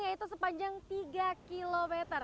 yaitu sepanjang tiga km